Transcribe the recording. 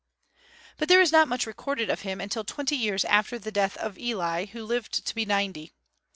But there is not much recorded of him until twenty years after the death of Eli, who lived to be ninety.